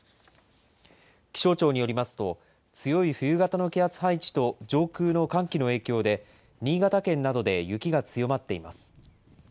気象庁によりますと、強い冬型の気圧配置と上空の寒気の影響で、新潟県などで雪が強まっています。